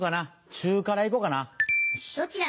中辛行こうかな。